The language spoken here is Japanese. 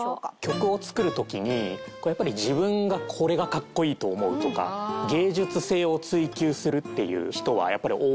曲を作る時にやっぱり自分がこれがかっこいいと思うとか芸術性を追求するっていう人はやっぱり多いんですけど。